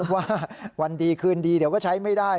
ว่าวันดีคืนดีเดี๋ยวก็ใช้ไม่ได้